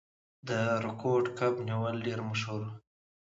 د کوډ کب نیول ډیر مشهور و.